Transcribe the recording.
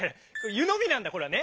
「ゆのみ」なんだこれはね。